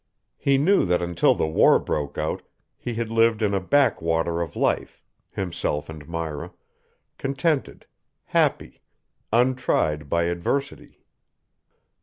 He knew that until the war broke out he had lived in a backwater of life, himself and Myra, contented, happy, untried by adversity.